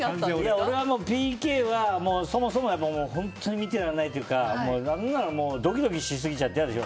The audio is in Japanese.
俺はＰＫはそもそも本当に見てられないというかドキドキしすぎちゃって嫌でしょ。